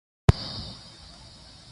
په هماغه اندازه دې له سترګو څخه لوييږي